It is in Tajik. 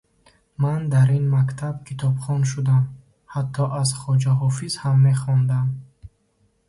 Ман дар ин мактаб китобхон шудам, ҳатто аз Хоҷа Ҳофиз ҳам мехондам.